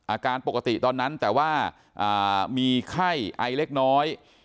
อาการปกติตอนนั้นแต่ว่ามีไข้ไอเล็กน้อย